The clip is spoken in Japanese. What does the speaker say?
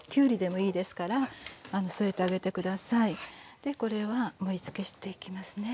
でこれは盛りつけしていきますね。